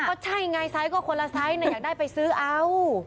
ก็ใช่ไงไซส์ก็คนละไซส์อยากได้ไปซื้อเอา